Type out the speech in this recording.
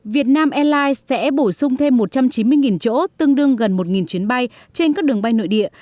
việt nam airlines sẽ bổ sung thêm một trăm chín mươi chỗ tương đương gần một chuyến bay trên các đường bay nội địa